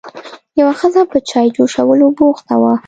یوه ښځه په چای جوشولو بوخته وه.